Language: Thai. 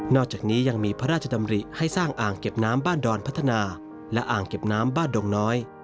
อกจากนี้ยังมีพระราชดำริให้สร้างอ่างเก็บน้ำบ้านดอนพัฒนาและอ่างเก็บน้ำบ้านดงน้อย